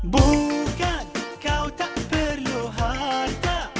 bukan kau tak perlu harta